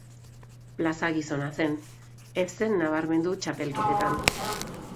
Plaza gizona zen, ez zen nabarmendu txapelketetan.